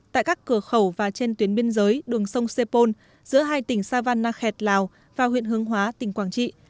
tại các cửa khẩu và trên tuyến biên giới đường sông sepol giữa hai tỉnh savanakhet lào và huyện hương hóa tỉnh quảng trị